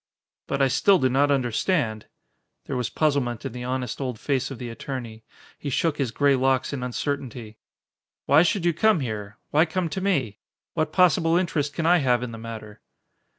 "But I still do not understand." There was puzzlement in the honest old face of the attorney. He shook his gray locks in uncertainty. "Why should you come here? Why come to me? What possible interest can I have in the matter?"